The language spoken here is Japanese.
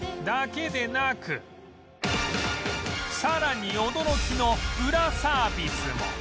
だけでなくさらに驚きのウラサービスも